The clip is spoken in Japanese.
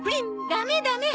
ダメダメ！